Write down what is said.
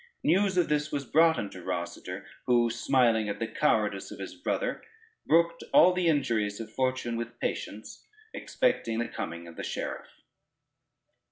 News of this was brought unto Rosader, who smiling at the cowardice of his brother, brooked all the injuries of fortune with patience, expecting the coming of the sheriff.